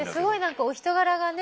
お人柄がね